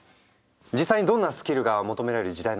実際にどんなスキルが求められる時代なのか？